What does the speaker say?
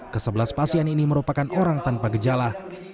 kesebelas pasien ini merupakan orang tanpa gejala